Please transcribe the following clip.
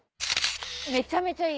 めちゃめちゃいい。